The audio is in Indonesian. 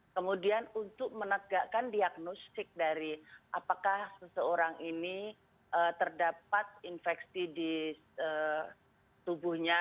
kemudian untuk menegakkan diagnostik dari apakah seseorang ini terdapat infeksi di tubuhnya